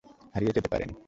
হারিয়ে যেতে পারেন।